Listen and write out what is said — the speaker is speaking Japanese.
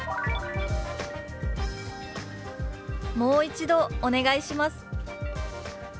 「もう一度お願いします」。